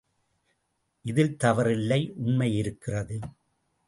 இதில் தவறில்லை உண்மை இருக்கிறது.